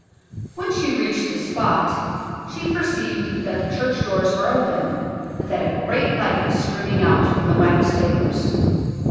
When she reached this spot she perceived that the church doors were open, and that a great light was streaming out from the wax tapers.